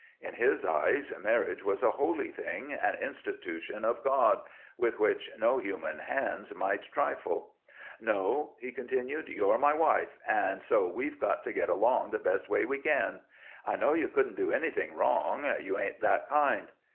In his eyes marriage was a holy thing, an institution of God, with which no human hands might trifle. "No," he continued, "you're my wife, and so we've got to get along the best way we can. I know you couldn't do anything wrong you ain't that kind."